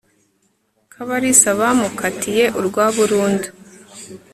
kabalisa bamukatiye urwa burundu